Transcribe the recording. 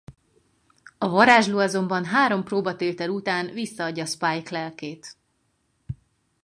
A varázsló azonban három próbatétel után visszaadja Spike lelkét.